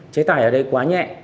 chế tài ở đây quá nhẹ